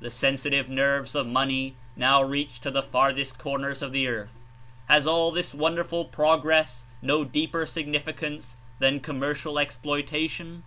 The sensitive nerves of money now reach to the farthest corners of the earth. Has all this wonderful progress no deeper significance than commercial exploitation?